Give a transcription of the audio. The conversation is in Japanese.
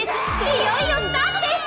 いよいよスタートです！